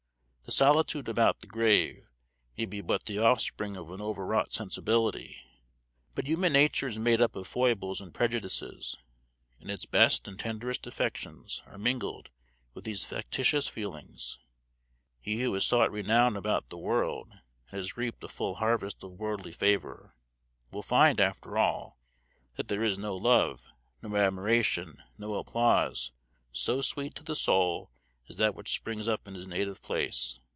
The solitude about the grave may be but the offspring of an overwrought sensibility; but human nature is made up of foibles and prejudices, and its best and tenderest affections are mingled with these factitious feelings. He who has sought renown about the world, and has reaped a full harvest of worldly favor, will find, after all, that there is no love, no admiration, no applause, so sweet to the soul as that which springs up in his native place.